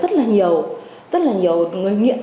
rất là nhiều người nghiện